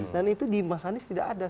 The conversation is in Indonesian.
dan itu di mas anies tidak ada